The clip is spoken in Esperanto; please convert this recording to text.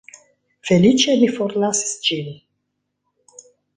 Feliĉe mi forlasis ĝin.